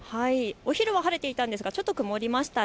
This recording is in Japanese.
お昼は晴れていたんですがちょっと曇りました。